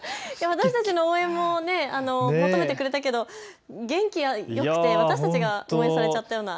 私たちの応援も求めてくれたけど元気よくて、私たちが応援されちゃったような。